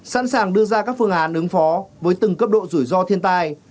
sẵn sàng đưa ra các phương án ứng phó với từng cấp độ rủi ro thiên tai